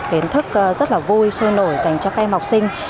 kiến thức rất là vui sôi nổi dành cho các em học sinh